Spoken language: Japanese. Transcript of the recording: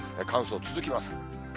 乾燥続きます。